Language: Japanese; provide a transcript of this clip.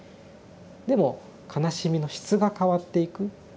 でも悲しみの質が変わっていく。